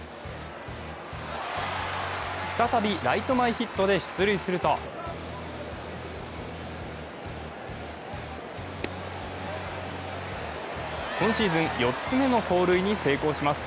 再びライト前ヒットで出塁すると今シーズン４つ目の盗塁に成功します。